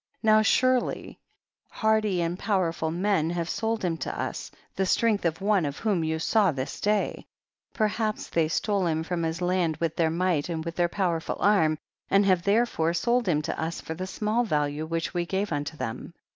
22. Now surely hardy and power ful men have sold him to us, the strength of one of whom you saw this day ; perhaps they stole him fi'om his land with their might and with their powerful arm, and have therefore sold him to us for the small value which we gave unto them.